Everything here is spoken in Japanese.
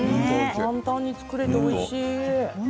簡単に作れて、おいしい。